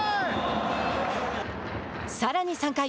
さらに３回。